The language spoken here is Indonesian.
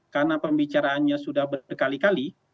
karena pembicaraannya sudah berkali kali